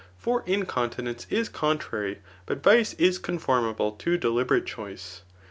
For incontinence is contrary, but vic% is conformable to deliberate choice.